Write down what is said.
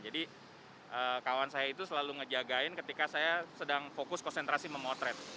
jadi kawan saya itu selalu ngejagain ketika saya sedang fokus konsentrasi memotret